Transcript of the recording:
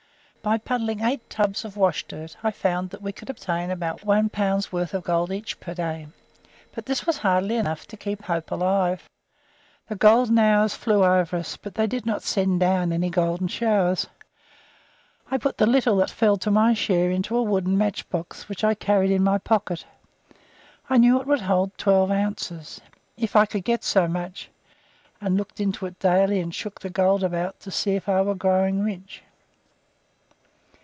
By puddling eight tubs of washdirt I found that we could obtain about one pound's worth of gold each per day; but this was hardly enough to keep hope alive. The golden hours flew over us, but they did not send down any golden showers. I put the little that fell to my share into a wooden match box, which I carried in my pocket. I knew it would hold twelve ounces if I could get so much and looked into it daily and shook the gold about to see if I were growing rich.